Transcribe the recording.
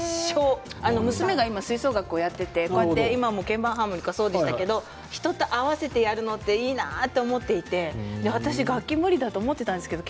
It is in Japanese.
娘が今、吹奏楽をやっていて今も鍵盤ハーモニカもそうでしたけど人と合わせてやるのっていいなと思っていて私、楽器は無理だと思っていたんですけど